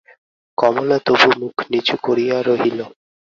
কমলা তবু মুখ নিচু করিয়া রহিল।